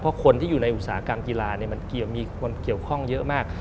เพราะคนที่อยู่ในอุตสาหกรรมกีฬามันมีคนเกี่ยวข้องเยอะมาก